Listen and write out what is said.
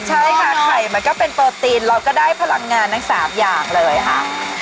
ใช่ค่ะไข่มันก็เป็นโปรตีนเราก็ได้พลังงานทั้ง๓อย่างเลยค่ะ